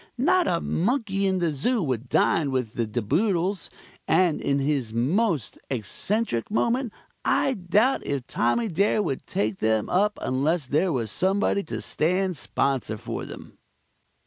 Not a monkey in the Zoo would dine with the De Boodles, and in his most eccentric moment I doubt if Tommy Dare would take them up unless there was somebody to stand sponsor for them.